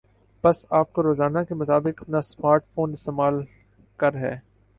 پس آپ کو روزانہ کے مطابق اپنا سمارٹ فون استعمال کر ہے